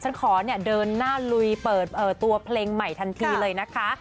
ฉันขอเนี่ยเดินหน้าลุยเปิดตัวเพลงใหม่ทันทีเลยนะคะ